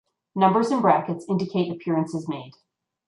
Numbers in brackets indicate appearances made.